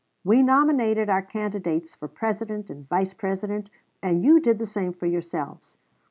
We nominated our candidates for President and Vice President, and you did the same for yourselves.